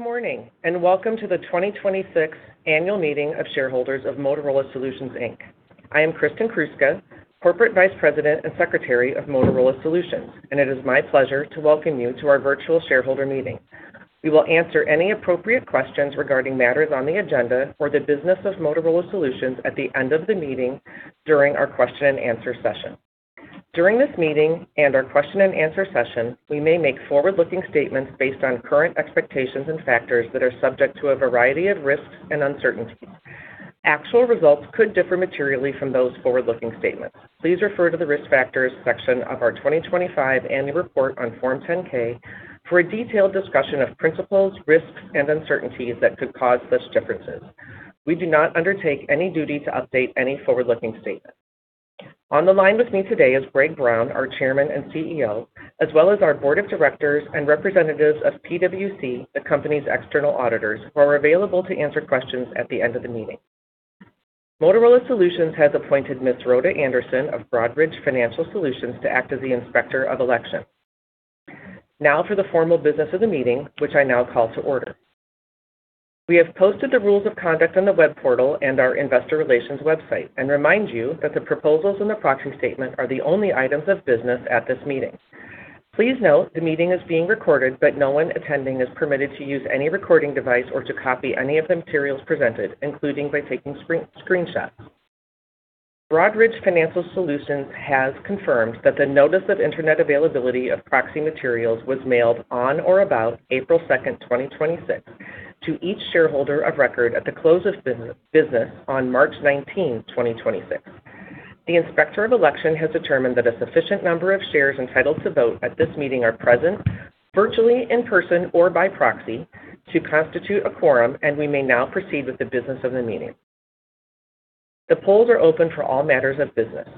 Good morning, welcome to the 2026 annual meeting of shareholders of Motorola Solutions, Inc. I am Kristin Kruska, Corporate Vice President and Secretary of Motorola Solutions, and it is my pleasure to welcome you to our virtual shareholder meeting. We will answer any appropriate questions regarding matters on the agenda or the business of Motorola Solutions at the end of the meeting during our question-and-answer session. During this meeting and our question-and-answer session, we may make forward-looking statements based on current expectations and factors that are subject to a variety of risks and uncertainties. Actual results could differ materially from those forward-looking statements. Please refer to the Risk Factors section of our 2025 annual report on Form 10-K for a detailed discussion of principles, risks, and uncertainties that could cause such differences. We do not undertake any duty to update any forward-looking statement. On the line with me today is Greg Brown, our Chairman and CEO, as well as our Board of Directors and representatives of PwC, the company's external auditors, who are available to answer questions at the end of the meeting. Motorola Solutions has appointed Ms. Rhoda Anderson of Broadridge Financial Solutions to act as the Inspector of Election. Now for the formal business of the meeting, which I now call to order. We have posted the rules of conduct on the web portal and our investor relations website and remind you that the proposals in the proxy statement are the only items of business at this meeting. Please note the meeting is being recorded, but no one attending is permitted to use any recording device or to copy any of the materials presented, including by taking screenshots. Broadridge Financial Solutions has confirmed that the notice of internet availability of proxy materials was mailed on or about April second, 2026, to each shareholder of record at the close of business on March 19, 2026. The Inspector of Election has determined that a sufficient number of shares entitled to vote at this meeting are present virtually in person or by proxy to constitute a quorum, and we may now proceed with the business of the meeting. The polls are open for all matters of business.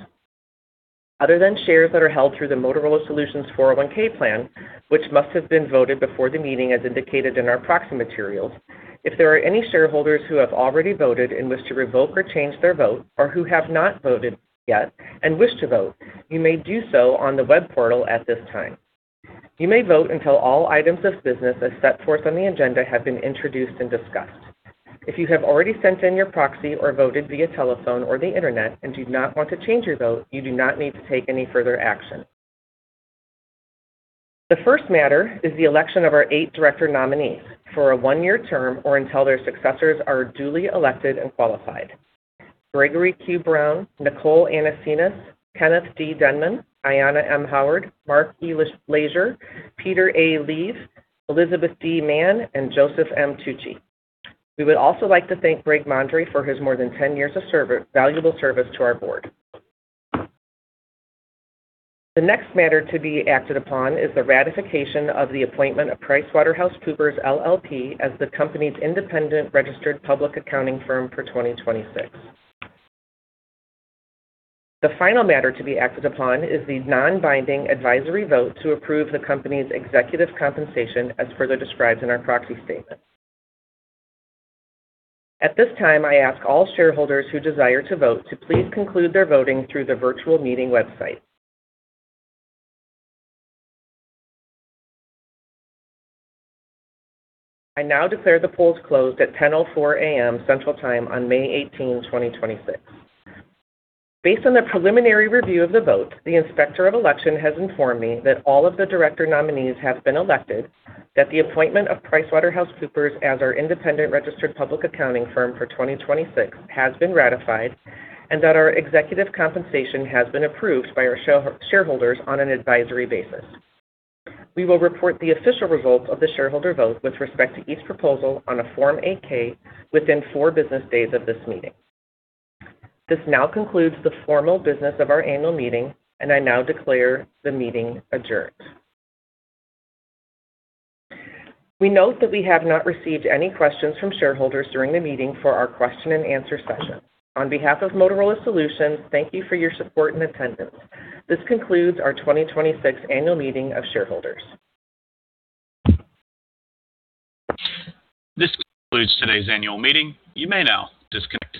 Other than shares that are held through the Motorola Solutions 401(k) Plan, which must have been voted before the meeting as indicated in our proxy materials, if there are any shareholders who have already voted and wish to revoke or change their vote or who have not voted yet and wish to vote, you may do so on the web portal at this time. You may vote until all items of business as set forth on the agenda have been introduced and discussed. If you have already sent in your proxy or voted via telephone or the internet and do not want to change your vote, you do not need to take any further action. The first matter is the election of our eight director nominees for a one-year term or until their successors are duly elected and qualified. Gregory Q. Brown, Nicole Anasenes, Kenneth D. Denman, Ayanna M. Howard, Mark Lashier, Peter A. Leav, Elizabeth D. Mann, and Joseph M. Tucci. We would also like to thank Greg Mondre for his more than 10 years of valuable service to our board. The next matter to be acted upon is the ratification of the appointment of PricewaterhouseCoopers LLP as the company's independent registered public accounting firm for 2026. The final matter to be acted upon is the non-binding advisory vote to approve the company's executive compensation as further described in our proxy statement. At this time, I ask all shareholders who desire to vote to please conclude their voting through the virtual meeting website. I now declare the polls closed at 10:04 A.M. Central Time on May 18, 2026. Based on the preliminary review of the vote, the Inspector of Election has informed me that all of the director nominees have been elected, that the appointment of PricewaterhouseCoopers as our independent registered public accounting firm for 2026 has been ratified, and that our executive compensation has been approved by our shareholders on an advisory basis. We will report the official results of the shareholder vote with respect to each proposal on a Form 8-K within four business days of this meeting. This now concludes the formal business of our annual meeting, and I now declare the meeting adjourned. We note that we have not received any questions from shareholders during the meeting for our question-and-answer session. On behalf of Motorola Solutions, thank you for your support and attendance. This concludes our 2026 annual meeting of shareholders. This concludes today's annual meeting. You may now disconnect.